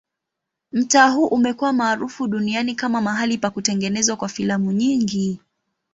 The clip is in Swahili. Mtaa huu umekuwa maarufu duniani kama mahali pa kutengenezwa kwa filamu nyingi.